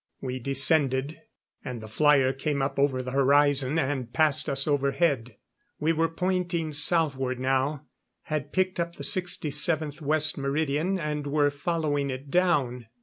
We descended, and the flyer came up over the horizon and passed us overhead. We were pointing southward now, had picked up the 67th West Meridian and were following it down.